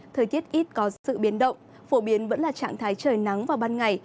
thời tiết ít có sự biến động phổ biến vẫn là trạng thái trời nắng vào ban ngày